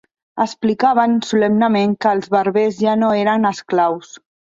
Explicaven solemnement que els barbers ja no eren esclaus.